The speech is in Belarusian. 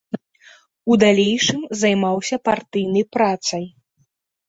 У далейшым займаўся партыйнай працай.